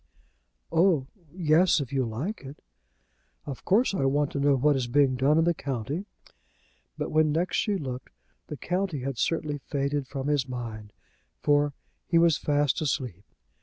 "Oh! yes, if you like it." "Of course I want to know what is being done in the county." But when next she looked, the county had certainly faded from his mind, for he was fast asleep.